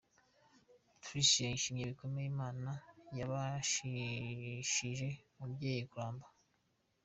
Tricia yashimye bikomeye Imana yabashishije umubyeyi kuramba.